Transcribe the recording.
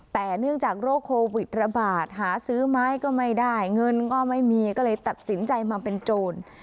แต่เนื่องจากโรคโควิดระบาดหาซื้อไม้ก็ไม่ได้เงินก็ไม่มีก็เลยตัดสินใจมาเป็นโจร